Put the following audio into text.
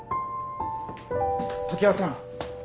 ・常盤さん。